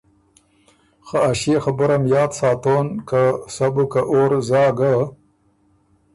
خه ا ݭيې خبُره م یاد ساتون که سَۀ بُو که اور زا ګۀ،